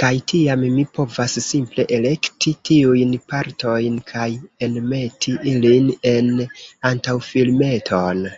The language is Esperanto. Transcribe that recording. Kaj tiam, mi povas simple elekti tiujn partojn, kaj enmeti ilin en antaŭfilmeton.